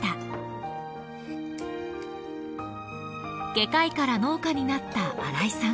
外科医から農家になった荒井さん。